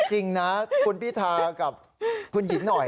จริงนะคุณพิธากับคุณหญิงหน่อย